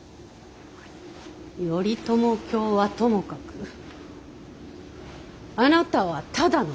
頼朝卿はともかくあなたはただの東夷。